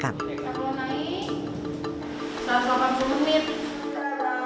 kalau naik satu ratus delapan puluh menit